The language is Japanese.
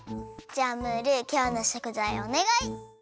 じゃあムールきょうのしょくざいおねがい！